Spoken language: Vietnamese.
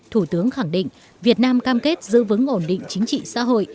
thủ tướng khẳng định việt nam cam kết giữ vững ổn định chính trị xã hội